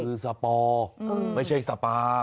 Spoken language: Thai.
มันคือสปอไม่ใช่สปา